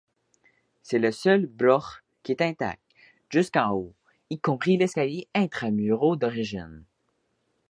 C'est le seul broch qui est intact jusqu'en haut, y compris l'escalier intra-muros d'origine.